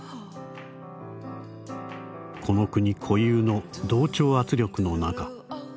「この国固有の同調圧力の中。